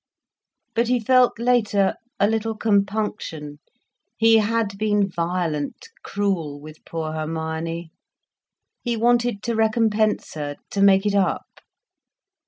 But he felt, later, a little compunction. He had been violent, cruel with poor Hermione. He wanted to recompense her, to make it up.